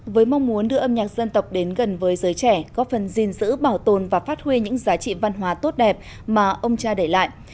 với mong muốn đưa âm nhạc dân tộc đến gần với giới trẻ góp phần gìn giữ bảo tồn và phát huy những giá trị văn hóa tốt đẹp mà ông cha để lại